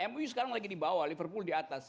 mui sekarang lagi di bawah liverpool di atas